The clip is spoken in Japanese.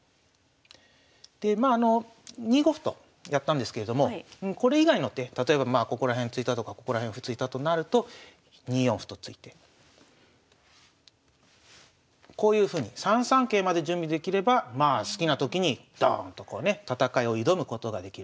でまあ２五歩とやったんですけれどもこれ以外の手例えばまあここら辺突いたとかここら辺歩突いたとなると２四歩と突いてこういうふうに３三桂まで準備できれば好きな時にドーンとこうね戦いを挑むことができる。